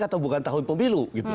atau bukan tahun pemilu